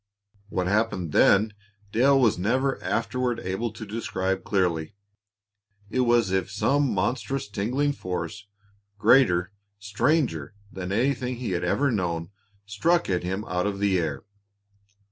What happened then Dale was never afterward able to describe clearly. It was as if some monstrous tingling force, greater, stranger than anything he had ever known, struck at him out of the air.